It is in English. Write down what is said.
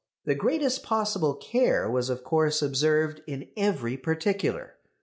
The greatest possible care was of course observed in every particular.